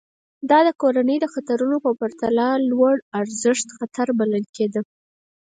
دا د کورنۍ د خطر په پرتله لوړارزښت خطر بلل کېده.